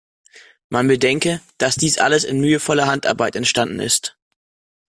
Man bedenke, dass dies alles in mühevoller Handarbeit entstanden ist.